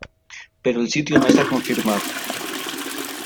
Pero el sitio no está confirmado.